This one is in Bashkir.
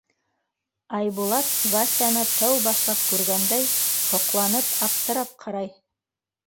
Айбулат, Васяны тәү башлап күргәндәй, һоҡланып, аптырап ҡарай.